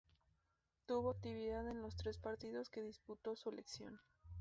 Tuvo actividad en los tres partidos que disputó su selección.